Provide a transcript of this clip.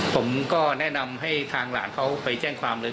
ผมก็แนะนำให้ทางหลานเขาไปแจ้งความเลย